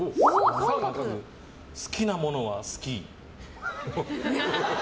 好きなものは好き。